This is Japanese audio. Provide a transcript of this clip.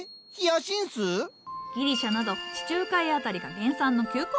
ギリシャなど地中海辺りが原産の球根植物じゃ。